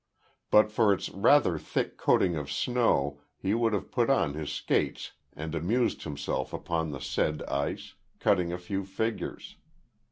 But for its rather thick coating of snow he would have put on his skates and amused himself upon the said ice, cutting a few figures.